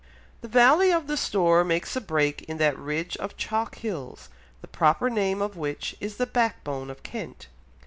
The valley of the Stour makes a break in that ridge of chalk hills, the proper name of which is the Backbone of Kent.